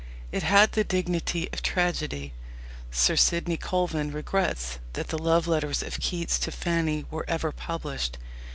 It had the dignity of tragedy. Sir Sidney Colvin regrets that the love letters of Keats to Fanny were ever published.